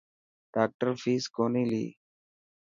ڊاڪٽر فيس ڪوني.